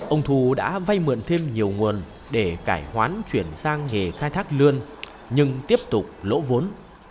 ông thu đã vay mượn thêm nhiều nguồn để cải hoán chuyển sang nghề khai thác lươn nhưng tiếp tục lỗ vốn